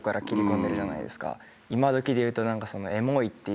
今どきでいうと何か。